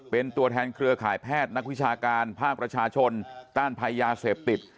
เป็นตัวแทนเครือข่ายแพทย์นักวิชาการภาคประชาชนต้านภัยยาเสพติด